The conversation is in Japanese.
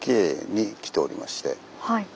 はい。